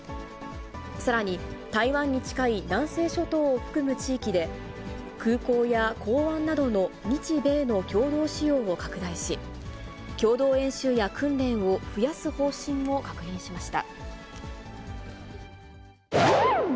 さらに、台湾に近い南西諸島を含む地域で、空港や港湾などの日米の共同使用を拡大し、共同演習や訓練を増やす方針を確認しました。